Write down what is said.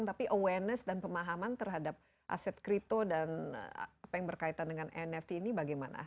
tapi awareness dan pemahaman terhadap aset kripto dan apa yang berkaitan dengan nft ini bagaimana